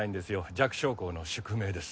弱小校の宿命です